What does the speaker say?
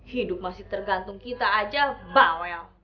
hidup masih tergantung kita aja bawel